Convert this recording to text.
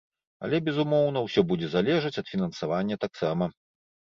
Але, безумоўна, ўсё будзе залежаць ад фінансавання таксама.